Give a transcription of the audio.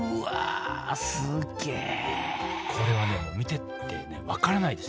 すげえこれはね見てて分からないです。